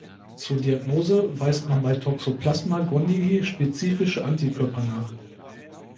Zur Diagnose weist man bei "Toxoplasma gondii" spezifische Antikörper nach.